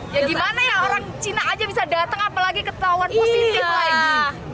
ya gimana ya orang cina aja bisa datang apalagi ketahuan positif lagi